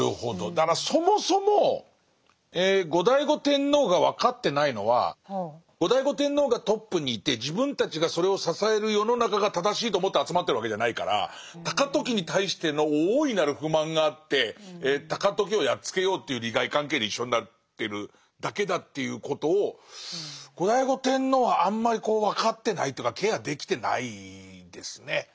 だからそもそも後醍醐天皇が分かってないのは後醍醐天皇がトップにいて自分たちがそれを支える世の中が正しいと思って集まってるわけじゃないから高時に対しての大いなる不満があって高時をやっつけようという利害関係で一緒になってるだけだということを後醍醐天皇はあんまり分かってないというかケアできてないですね。